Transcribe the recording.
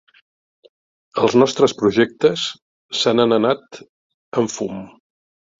Els nostres projectes se n'han anat en fum.